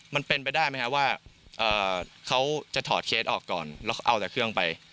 มันเป็นไปได้ไหมครับว่าเขาจะถอดเคสออกก่อนแล้วเขาเอาแต่เครื่องไป